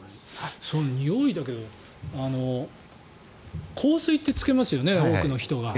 においだけど香水ってつけますよね多くの人が。